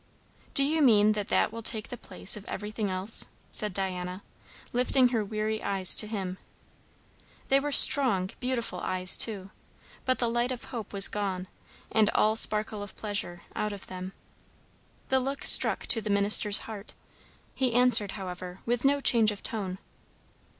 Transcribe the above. "Do you mean that that will take the place of everything else?" said Diana, lifting her weary eyes to him. They were strong, beautiful eyes too, but the light of hope was gone, and all sparkle of pleasure, out of them. The look struck to the minister's heart. He answered, however, with no change of tone.